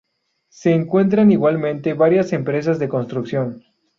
Se encuentran igualmente varias empresas de construcción.